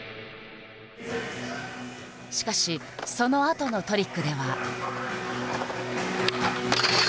しかしそのあとのトリックでは。